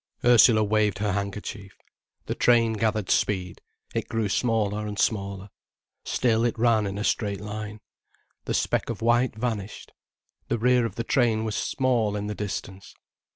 Ursula waved her handkerchief. The train gathered speed, it grew smaller and smaller. Still it ran in a straight line. The speck of white vanished. The rear of the train was small in the distance.